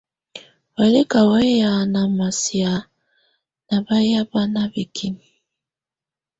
Huɛ̀lɛ á ká wɛyá námásɛ̀á ná bayɛ́ bána bǝ́kimǝ.